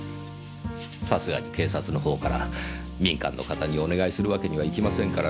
さすがに警察の方から民間の方にお願いするわけにはいきませんからね。